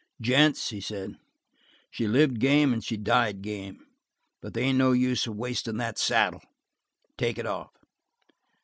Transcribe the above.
"Gents," he said, "she lived game and she died game. But they ain't no use of wastin' that saddle. Take it off."